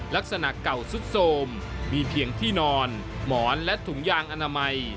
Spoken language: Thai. ลักษณะเก่าสุดโสมมีเพียงที่นอนหมอนและถุงยางอนามัย